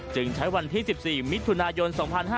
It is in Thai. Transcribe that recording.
จึงใช้วันที่๑๔มิถุนายน๒๕๕๙